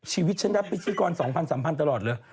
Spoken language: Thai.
ชีวิตฉันรับพิธีกร๒๐๐๓๐๐ตลอดเลย